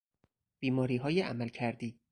بیماریهای عملکردی